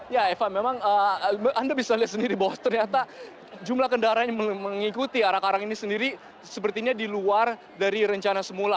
ya eva memang anda bisa lihat sendiri bahwa ternyata jumlah kendaraan yang mengikuti arah arang ini sendiri sepertinya di luar dari rencana semula